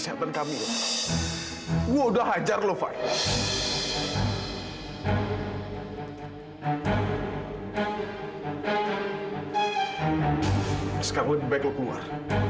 sekarang lebih baik lu keluar